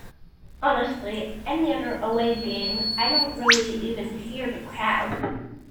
Honestly, any other away game I don't really even hear the crowd.